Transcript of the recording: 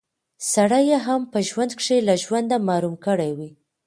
سړی يې هم په ژوند کښې له ژونده محروم کړی وي